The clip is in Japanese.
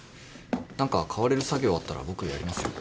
何か代われる作業あったら僕やりますよ。